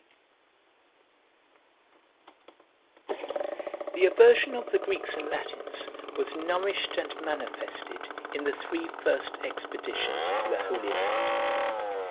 ] The aversion of the Greeks and Latins was nourished and manifested in the three first expeditions to the Holy Land.